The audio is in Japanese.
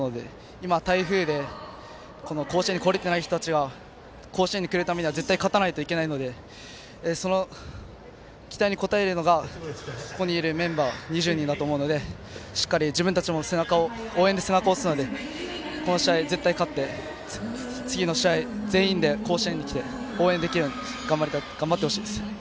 今、台風で甲子園に来れていない人たちが甲子園に来るためには絶対に勝たなきゃいけないのでその期待に応えるのがここにいるメンバー２０人だと思うのでしっかり自分たちも応援で背中を押すのでこの試合絶対勝って次の試合、全員で甲子園に来て応援できるように頑張ってほしいです。